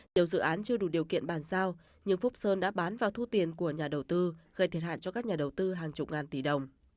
nhiều dự án chưa đủ điều kiện bàn giao nhưng phúc sơn đã bán và thu tiền của nhà đầu tư gây thiệt hại cho các nhà đầu tư hàng chục ngàn tỷ đồng